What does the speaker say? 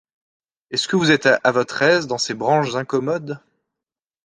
Est-ce que vous êtes à votre aise dans ces branches incommodes ?